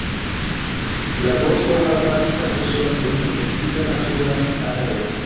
La bosko havas statuson de protektita natura areo.